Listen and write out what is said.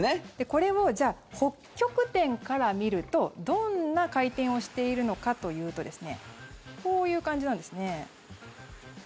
これをじゃあ、北極点から見るとどんな回転をしているのかというとこういう感じなんですね。